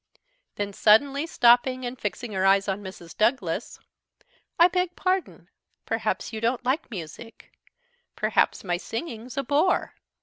_ Then suddenly stopping, and fixing her eyes on Mrs. Douglas, "I beg pardon, perhaps you don't like music; perhaps my singing's a bore."